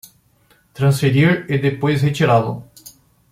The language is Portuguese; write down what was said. Transferir e depois retirá-lo